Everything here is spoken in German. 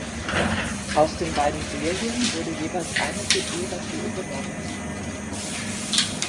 Aus den beiden Serien wurde jeweils eine Figur dafür übernommen.